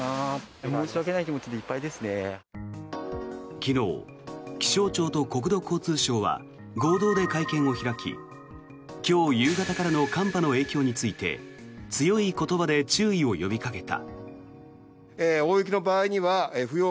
昨日、気象庁と国土交通省は合同で会見を開き今日夕方からの寒波の影響について強い言葉で注意を呼びかけた。